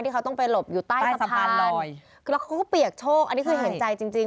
ที่เขาต้องไปหลบอยู่ใต้สะพานคือเขาก็เปียกโชคอันนี้คือเห็นใจจริง